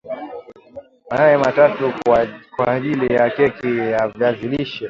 Mayai matatu kwaajili ya keki ya viazi lishe